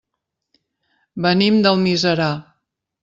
Venim d'Almiserà.